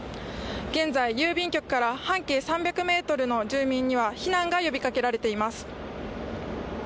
現在、郵便局から半径３００ｍの住民には避難が呼びかけられています。